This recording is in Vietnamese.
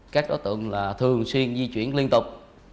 các đối tượng là thường xuyên di chuyển liên tục